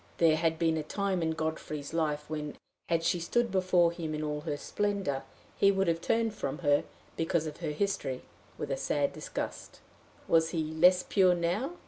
There had been a time in Godfrey's life when, had she stood before him in all her splendor, he would have turned from her, because of her history, with a sad disgust. Was he less pure now?